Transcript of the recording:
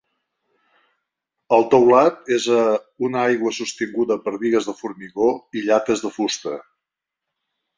El teulat és a una aigua sostinguda per bigues de formigó i llates de fusta.